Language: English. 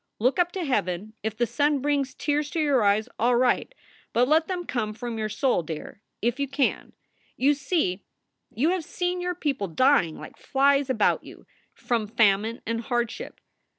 Look up to heaven; if the sun brings tears to your eyes, all right, but let them come from your soul, dear, if you can. You see, you have seen your people dying like flies about you, from famine and hardship.